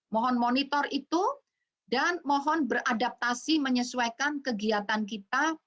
mohon monitor itu dan mohon beradaptasi menyesuaikan kegiatan kita